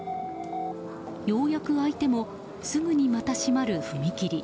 ようやく開いてもすぐにまた閉まる踏切。